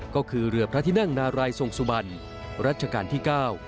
ก็คือเรือพระทินั่งนารายทรงสุบันรัชกาลที่๙